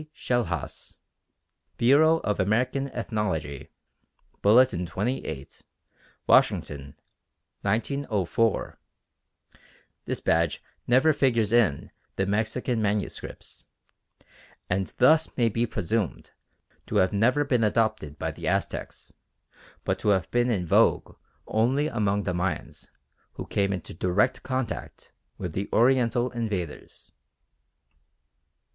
Schellhas (Bureau of American Ethnology, Bulletin 28: Washington, 1904) this badge never figures in the Mexican manuscripts, and thus may be presumed to have never been adopted by the Aztecs but to have been in vogue only among the Mayans who came into direct contact with the Oriental invaders.